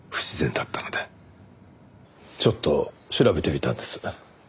ちょっと調べてみたんです。